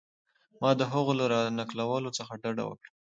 ما د هغوی له را نقلولو څخه ډډه وکړه.